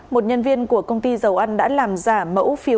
một nhân viên của công ty dầu ăn đã làm giả mẫu phiếu thu tiền